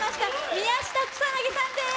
宮下草薙さんです